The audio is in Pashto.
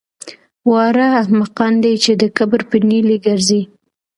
واړه احمقان دي چې د کبر په نیلي ګرځي